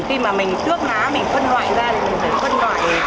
khi mà mình tước lá mình phân loại ra thì mình phải phân loại